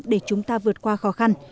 để chúng ta vượt qua khó khăn